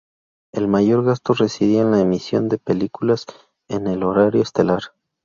El mayor gasto residía en la emisión de películas en el horario estelar.